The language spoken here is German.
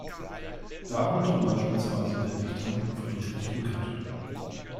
Darunter beispielsweise der Dichter Friedrich Rückert.